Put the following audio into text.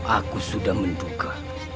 aku sudah menduga